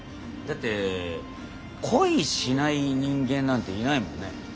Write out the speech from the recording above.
だって恋しない人間なんていないもんね。